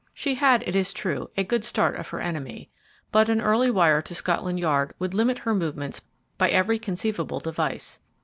She had, it is true, a good start of her enemy, but an early wire to Scotland Yard would limit her movements by every conceivable device.